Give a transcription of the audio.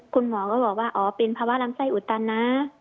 คุณหมอก็บอกว่าอ๋อเป็นภาวะลำไส้อุดตันนะ